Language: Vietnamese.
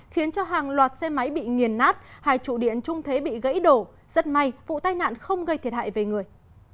khiến cho hàng loạt xe máy bị nghiền nát hai trụ điện trung thế bị gãy đổ rất may vụ tai nạn không gây thiệt hại về người